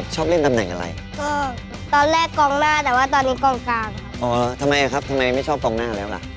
ก็ขี้เกียจรอบอล